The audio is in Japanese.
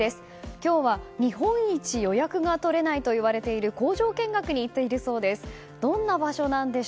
今日は日本一予約が取れないといわれている工場見学に行っているそうです。